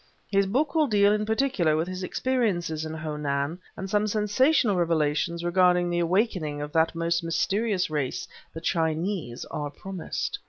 His book will deal in particular with his experiences in Ho Nan, and some sensational revelations regarding the awakening of that most mysterious race, the Chinese, are promised.